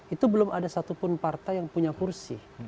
itu belum ada satupun partai yang punya kursi